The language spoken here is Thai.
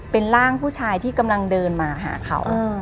เป็นร่างผู้ชายที่กำลังเดินมาหาเขา